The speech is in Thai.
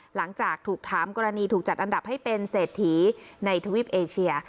หลังจากถูกถามกรณีถูกจัดอันดับให้เป็นเศรษฐีในทวีปเอเชีย